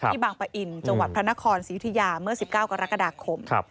บางปะอินจังหวัดพระนครศรียุธิยาเมื่อ๑๙กรกฎาคม